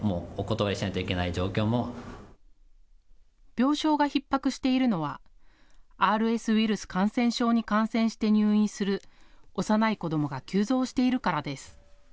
病床がひっ迫しているのはＲＳウイルス感染症に感染して入院する幼い子どもが急増しているからです。